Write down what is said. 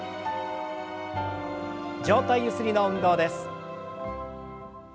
上体ゆすりの運動です。